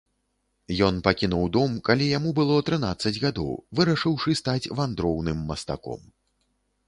Ён пакінуў дом, калі яму было трынаццаць гадоў, вырашыўшы стаць вандроўным мастаком.